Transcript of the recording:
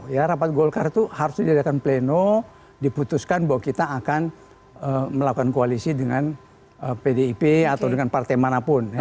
ya rapat golkar itu harus diadakan pleno diputuskan bahwa kita akan melakukan koalisi dengan pdip atau dengan partai manapun